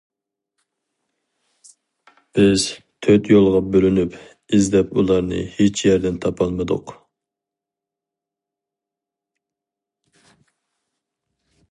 بىز تۆت يولغا بۆلۈنۈپ ئىزدەپ ئۇلارنى ھېچ يەردىن تاپالمىدۇق.